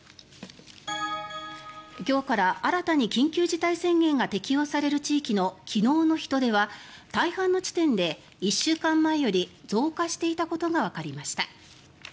今日から新たに緊急事態宣言が適用される地域の昨日の人出は、大半の地点で１週間前より増加していたことがわかりました。